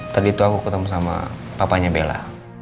tadi itu aku ketemu sama papa nya bella